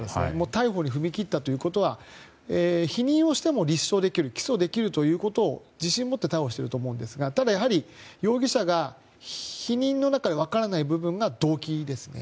逮捕に踏み切ったということは否認をしても立証できる起訴できるということを自信を持って逮捕していると思うんですがただやはり容疑者が否認の中で分からない部分が動機ですね。